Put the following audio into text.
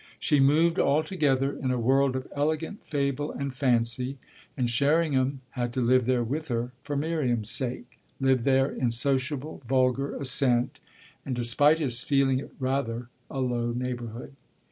She moved altogether in a world of elegant fable and fancy, and Sherringham had to live there with her for Miriam's sake, live there in sociable, vulgar assent and despite his feeling it rather a low neighbourhood.